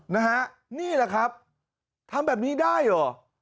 นะฮะนี่แหละครับทำแบบนี้ได้เหรอ